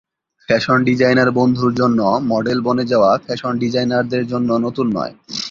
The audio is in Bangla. ফ্যাশন ডিজাইনার বন্ধুর জন্য মডেল বনে যাওয়া ফ্যাশন ডিজাইনারদের জন্য নতুন নয়